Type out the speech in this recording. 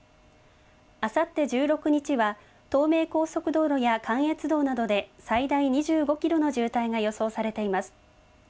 あさって１６日は東名高速道路や関越道などで最大２５キロの渋滞が予想されています。